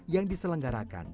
yang diselenggarakan oleh pt fi